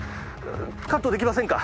カットできませんか？